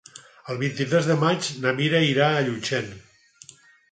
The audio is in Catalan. El vint-i-tres de maig na Mira irà a Llutxent.